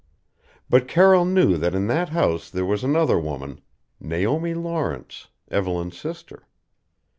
But Carroll knew that in that house there was another woman: Naomi Lawrence Evelyn's sister.